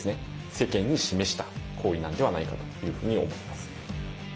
世間に示した行為なのではないかというふうに思います。